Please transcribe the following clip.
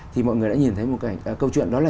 thì mọi người đã nhìn thấy một cái câu chuyện đó là